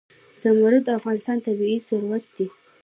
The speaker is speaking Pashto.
زمرد د افغانستان طبعي ثروت دی.